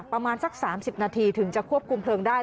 ประมาณสัก๓๐นาทีถึงจะควบคุมเพลิงได้